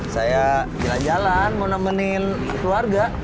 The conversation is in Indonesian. saya jalan jalan mau nemenin keluarga